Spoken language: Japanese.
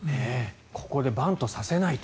ここでバントさせないと。